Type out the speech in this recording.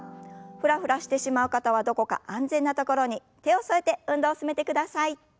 フラフラしてしまう方はどこか安全な所に手を添えて運動を進めてください。